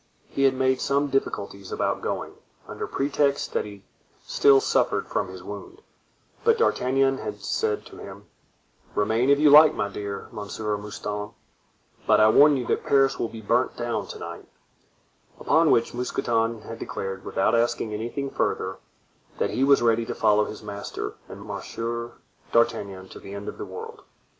He had made some difficulties about going, under pretext that he still suffered from his wound, but D'Artagnan had said to him: "Remain if you like, my dear Monsieur Mouston, but I warn you that Paris will be burnt down to night;" upon which Mousqueton had declared, without asking anything further, that he was ready to follow his master and Monsieur d'Artagnan to the end of the world.